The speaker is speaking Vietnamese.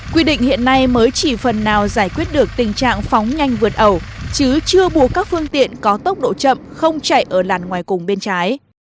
quy định hiện nay mới chỉ phần nào giải quyết được tình trạng phóng nhanh vượt ẩu chứ chưa bù các phương tiện có tốc độ chậm không chạy ở làn ngoài cùng bên trái